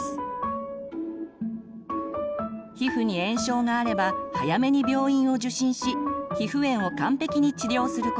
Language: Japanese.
皮膚に炎症があれば早めに病院を受診し皮膚炎を完璧に治療すること。